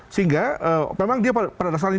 sehingga memang dia pada dasarnya